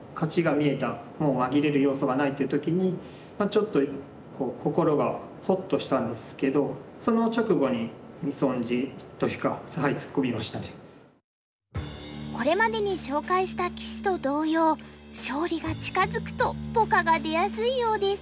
もう紛れる要素がないっていう時にちょっと心がほっとしたんですけどその直後に見損じというかこれまでに紹介した棋士と同様勝利が近づくとポカが出やすいようです。